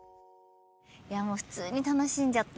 いやもう普通に楽しんじゃった。